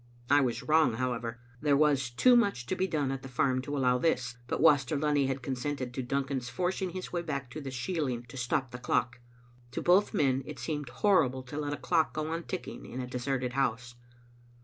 I was wrong, however. There was too much to be done at the farm to allow this, but Waster Lunny had consented to Duncan's forcing his way back to the shieling to stop the clock. To both men it seemed horrible to let a clock go on ticking in a de serted house.